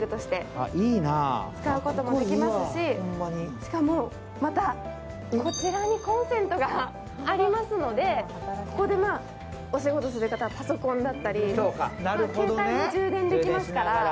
しかもまたこちらにコンセントがありますのでここでお仕事する方はパソコンだったり、携帯も充電できますから。